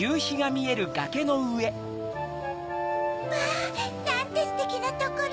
まぁなんてステキなところ！